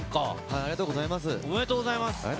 ありがとうございます。